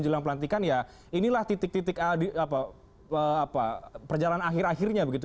jelang pelantikan ya inilah titik titik perjalanan akhir akhirnya begitu